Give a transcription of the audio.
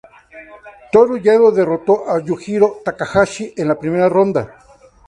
Toru Yano derrotó a Yujiro Takahashi en la primera ronda.